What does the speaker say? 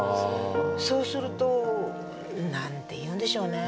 そうすると何て言うんでしょうね